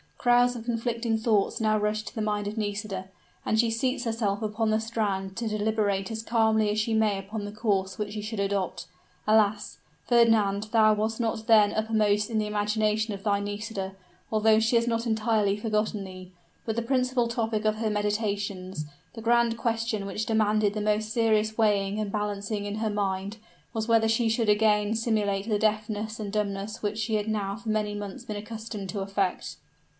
Crowds of conflicting thoughts now rush to the mind of Nisida; and she seats herself upon the strand to deliberate as calmly as she may upon the course which she should adopt. Alas, Fernand: thou wast not then uppermost in the imagination of thy Nisida, although she had not entirely forgotten thee. But the principal topic of her meditations, the grand question which demanded the most serious weighing and balancing in her mind, was whether she should again simulate the deafness and dumbness which she had now for many months been accustomed to affect.